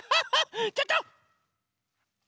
ちょっと！